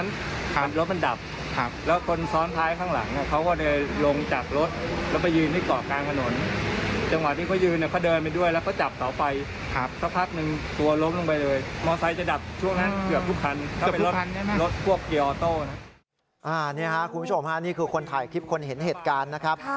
นี่ค่ะคุณผู้ชมฮะนี่คือคนถ่ายคลิปคนเห็นเหตุการณ์นะครับ